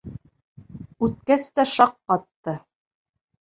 Үткәс тә шаҡ ҡатты.